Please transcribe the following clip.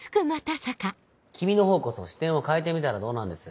君の方こそ視点を変えてみたらどうなんです。